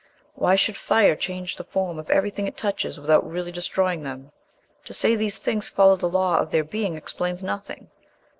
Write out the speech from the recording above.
Why should fire change the form of everything it touches without really destroying them? To say these things follow the law of their being explains nothing.